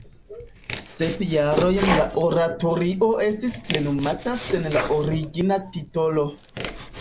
Sep jarojn la oratorio estis plenumata sen la origina titolo.